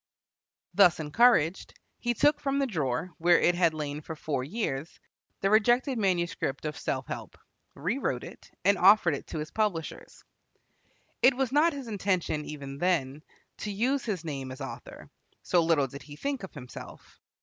Thus encouraged, he took from the drawer, where it had lain for four years, the rejected manuscript of "Self Help," rewrote it, and offered it to his publishers. It was not his intention, even then, to use his name as author, so little did he think of himself.